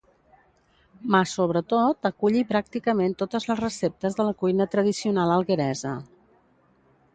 ma sobretot aculli pràcticament totes les receptes de la cuina tradicional algueresa